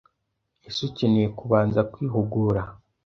Ese ukeneye kubanza kwihugura